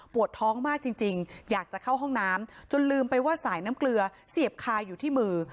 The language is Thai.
ท้องมากจริงอยากจะเข้าห้องน้ำจนลืมไปว่าสายน้ำเกลือเสียบคาอยู่ที่มือ